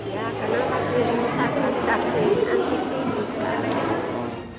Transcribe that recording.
ya karena aku sakit asli anti sikil